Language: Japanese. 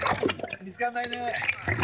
見つからないね。